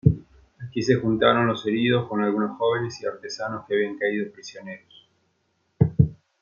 Aquí se juntaron los heridos con algunos jóvenes y artesanos que habían caído prisioneros.